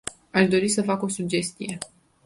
Aș dori să fac o sugestie.